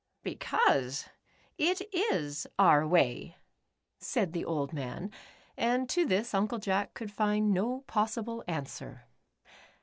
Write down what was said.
" "Because it is our way," said the old man, and to this Uncle Jack could find no possible answer.